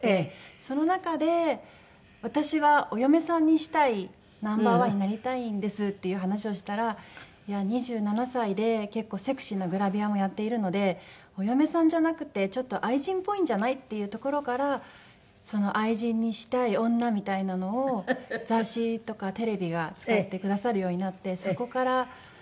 その中で私はお嫁さんにしたいＮｏ．１になりたいんですっていう話をしたらいや２７歳で結構セクシーなグラビアもやっているのでお嫁さんじゃなくてちょっと愛人っぽいんじゃない？っていうところから「愛人にしたい女」みたいなのを雑誌とかテレビが使ってくださるようになってそこからはい。